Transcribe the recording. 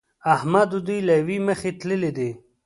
احمد دوی له يوې مخې تللي دي.